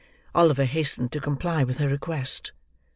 Oliver hastened to comply with her request.